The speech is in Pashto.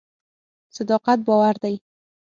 صداقت باور دی.